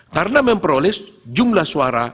karena memperoleh jumlah suara